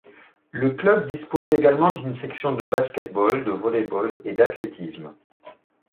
Le club dispose également d'une section de basket-ball, de volley-ball et d'athlétisme.